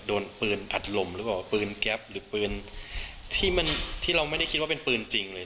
โดนปืนอัดลมหรือเปล่าปืนแก๊ปหรือปืนที่มันที่เราไม่ได้คิดว่าเป็นปืนจริงเลย